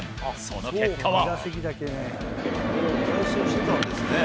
その結果は。